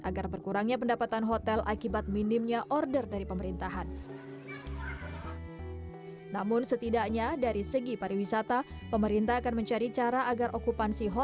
agar berkurangnya pendapatan hotel akibat minimnya order dari pemerintahan